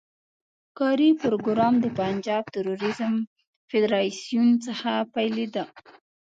کاري پروګرام د پنجاب توریزم فدراسیون څخه پیلېده.